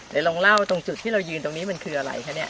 เดี๋ยวลองเล่าตรงจุดที่เรายืนตรงนี้มันคืออะไรคะเนี่ย